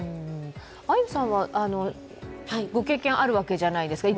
あゆさんは育児のご経験があるわけじゃないですか。